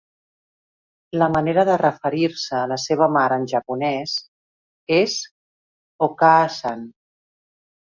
La manera de referir-se a la seva mare, en japonès, és "okaa-san".